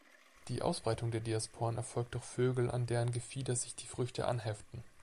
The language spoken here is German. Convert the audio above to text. Die Ausbreitung der Diasporen erfolgt durch Vögel, an deren Gefieder sich die Früchte anheften.